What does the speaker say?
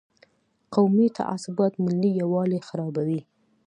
قومي تعصبات ملي یووالي خرابوي.